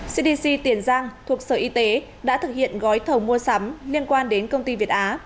cdc tiền giang thuộc sở y tế đã thực hiện gói thầu mua sắm liên quan đến công ty việt á